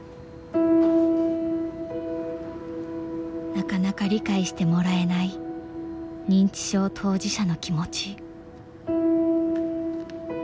なかなか理解してもらえない認知症当事者の気持ち。